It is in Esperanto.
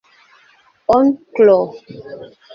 onklo